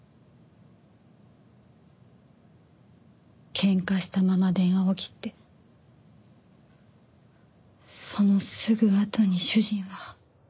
喧嘩したまま電話を切ってそのすぐあとに主人は。